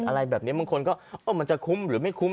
อะไรแบบนี้บางคนก็มันจะคุ้มหรือไม่คุ้ม